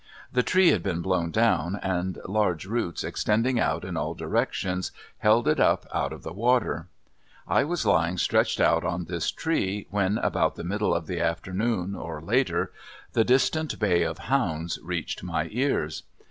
The tree had been blown down, and large roots extending out in all directions, held it up out of the water. I was lying stretched out on this tree when, about the middle of the afternoon or later, the distant bay of hounds reached my ears.